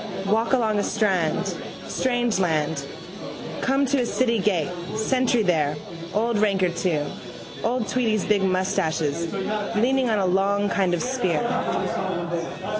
Walk along a strand, strange land, come to a city gate, sentry there, old ranker too, old Tweedy's big moustaches, leaning on a long kind of a spear.